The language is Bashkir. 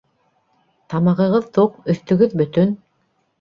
Тамағығыҙ туҡ, өҫтөгөҙ бөтөн.